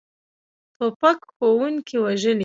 توپک ښوونکي وژلي.